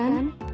p pencapaian ini